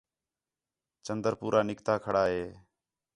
چندر پورا نِکلتا کھڑا ہے